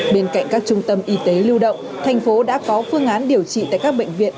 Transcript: bên cạnh các trung tâm y tế lưu động thành phố đã có phương án điều trị tại các bệnh viện